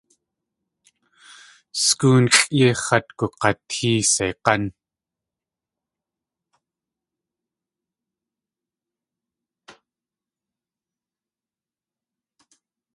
Sgóonxʼ yéi x̲at gug̲watée seig̲án.